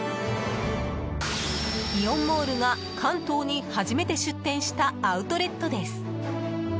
イオンモールが関東に初めて出店したアウトレットです。